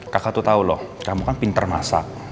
kakak tuh tau lho kamu kan pinter masak